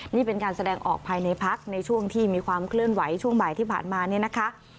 นี่เป็นการแสดงออกภายในพักในช่วงที่มีความเคลื่อนไหวช่วงบ่ายที่ผ่านมาเนี่ยนะคะ